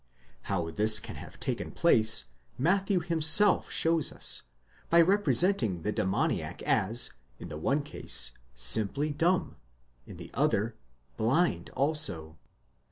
How this can have taken place, Matthew him self shows us, by representing the demoniac as, in the one case, simply dumb, in the other, blind also.